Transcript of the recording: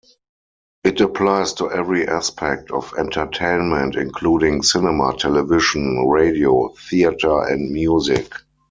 It applies to every aspect of entertainment including cinema, television, radio, theatre and music.